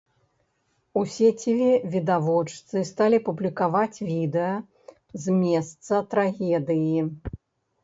У сеціве відавочцы сталі публікаваць відэа з месца трагедыі.